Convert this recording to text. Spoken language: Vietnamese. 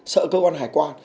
sợ cơ quan hải quan